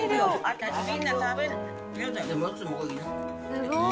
すごい！